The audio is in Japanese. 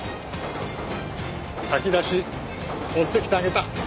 炊き出し持ってきてあげた。